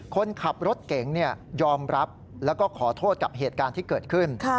คนขับรถเก๋งยอมรับแล้วก็ขอโทษกับเหตุการณ์ที่เกิดขึ้น